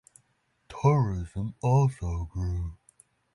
Tourism also grew.